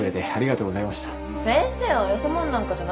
先生はよそもんなんかじゃなかよ。